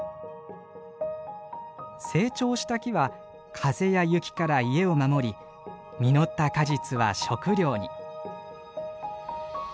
成長した木は風や雪から家を守り実った果実は食料に。